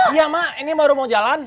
iya mak ini baru mau jalan